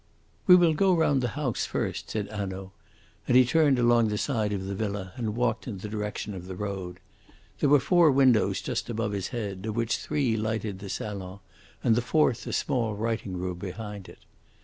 "We will go round the house first," said Hanaud, and he turned along the side of the villa and walked in the direction of the road. There were four windows just above his head, of which three lighted the salon, and the fourth a small writing room behind it.